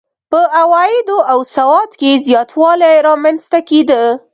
په عوایدو او سواد کې زیاتوالی رامنځته کېده.